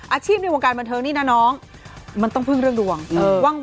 อาชีพในวงการบรรเทิงนี้นะน้องมันต้องพึ่งเรื่องดวง